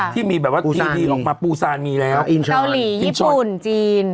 ที่มีแบบว่าทีดีออกมาปูซานมีแล้วเกาหลีญี่ปุ่นจีน